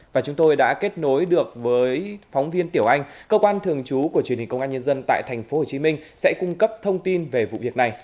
và chúng tôi đã kết nối được với phóng viên tiểu anh cơ quan thường trú của truyền hình công an nhân dân tại tp hcm sẽ cung cấp thông tin về vụ việc này